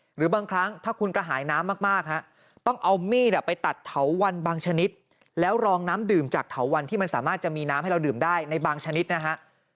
หรือบางครั้งถ้าคุณกระหายน้ำมากฮะต้องเอามีดไปตัดเถาวันบางชนิดแล้วรองน้ำดื่มจากเถาวันที่มันสามารถจะมีน้ำให้เราดื่มได้ในบางชนิดนะฮะ